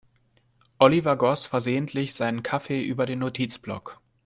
Oliver goss versehentlich seinen Kaffee über den Notizblock.